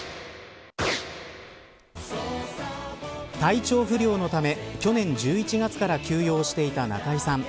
体調不良のため去年１１月から休養していた中居さん。